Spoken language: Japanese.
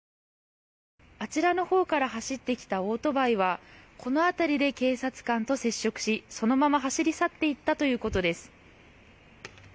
あちらのほうから走ってきたオートバイはこの辺りで警察官と接触しそのまま走り去っていったということです。